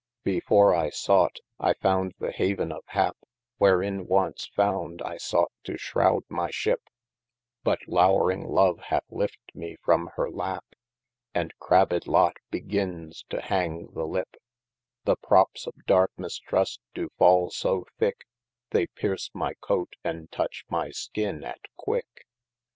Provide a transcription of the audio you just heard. Before I sought, I founde the haven of hap, Wherin (once found) I sought to shrowd my ship, But lowring love hath lifte me from hir lap, And crabbed lot beginnes to hang the lip : The proppes of darke mistrust do fall so thick, They pearce my coate, and touch my skin at quick.